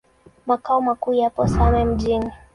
Makao makuu yapo Same Mjini.